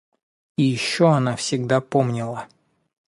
И еще она всегда помнила